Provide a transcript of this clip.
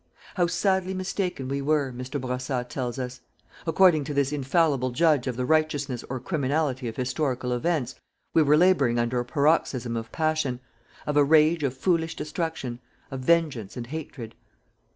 How sadly mistaken we were, Mr. Bourassa tells us. According to this infallible judge of the righteousness or criminality of historical events, we were labouring under a paroxysm of passion of a rage of foolish destruction, of vengeance and hatred.